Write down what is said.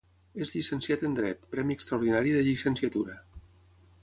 És llicenciat en Dret, Premi Extraordinari de Llicenciatura.